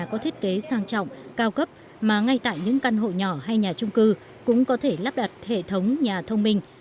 có thiết kế sang trọng cao cấp mà ngay tại những căn hộ nhỏ hay nhà trung cư cũng có thể lắp đặt hệ thống nhà thông minh